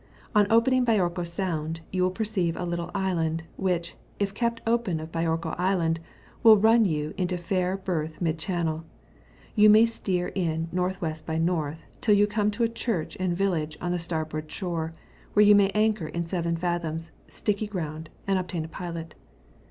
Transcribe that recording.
On opening Biorko Sound you wifl perceive a little island, which, if kept open of Biorko Island, will run you into a fair berth mid channel : you may steer in N.W. by N. till you come to a church and village on the starboard shore, where you may anchor in 7 fathoms, sticky ground, and obtain a pilot.